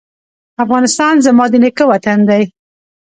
افغانستان زما د نیکه وطن دی